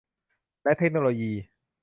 และเทคโนโลยี